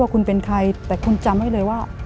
คุณเป็นใครแต่คุณจำไว้เลยว่า